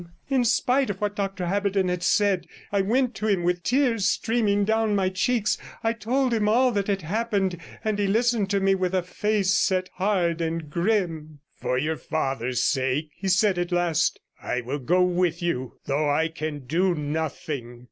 117 In spite of what Dr Haberden had said, I went to him; with tears streaming down my cheeks I told him all that had happened, and he listened to me with a face set hard and grim. 'For your father's sake,' he said at last, 'I will go with you, though I can do nothing.'